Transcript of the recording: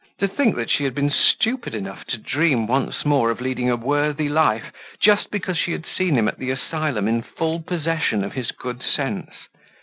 To think that she had been stupid enough to dream once more of leading a worthy life, just because she had seen him at the asylum in full possession of his good sense!